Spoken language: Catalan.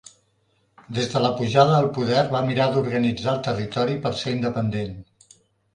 Des de la pujada al poder va mirar d'organitzar el territori per ser independent.